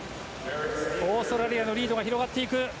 オーストラリアのリードが広がっていく。